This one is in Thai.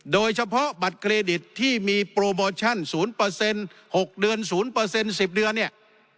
โดยเฉพาะบัตรเครดิตที่มีโปรโมชั่น๐๖เดือน๐๑๐เดือนเนี่ย